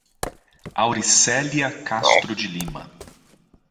Auricelia Castro de Lima